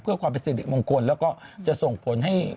เพื่อความเป็นสิริมงคลแล้วก็จะส่งผลให้